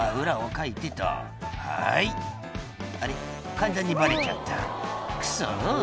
簡単にバレちゃったクソ」